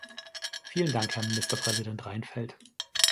Vielen Dank, Herr Ministerpräsident Reinfeldt.